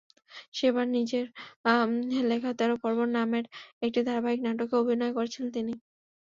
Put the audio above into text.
সেবার নিজের লেখা তেরো পার্বণ নামের একটি ধারাবাহিক নাটকে অভিনয় করেছিলেন তিনি।